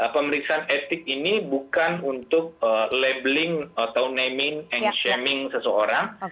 pemeriksaan etik ini bukan untuk labeling atau naming and shaming seseorang